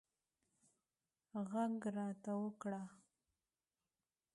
غږ راته وکړه